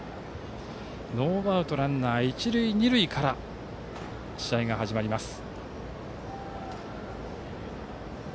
ノーアウトランナー、一塁二塁から試合が始まります。